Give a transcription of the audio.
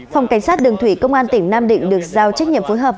phòng cảnh sát đường thủy công an tỉnh nam định được giao trách nhiệm phối hợp